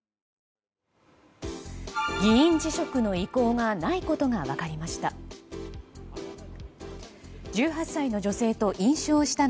議員辞職の意向がないことが分かりました。